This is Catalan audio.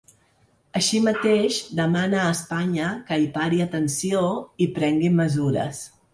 Així mateix, demana a Espanya que hi pari atenció i prengui mesures.